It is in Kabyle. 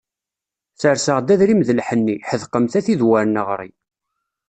Serseɣ-d adrim d lḥenni, ḥedqemt a tid wer neɣri.